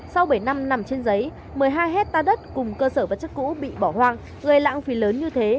sau bảy năm nằm trên giấy một mươi hai hectare đất cùng cơ sở vật chất cũ bị bỏ hoang gây lãng phí lớn như thế